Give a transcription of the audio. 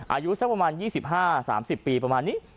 อายุสักประมาณ๒๕๓๐ปีประมาณนี้